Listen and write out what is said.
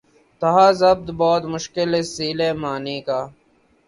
تھا ضبط بہت مشکل اس سیل معانی کا